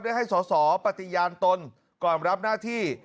ได้ให้สอสอปฏิญาณตนก่อนรับหน้าที่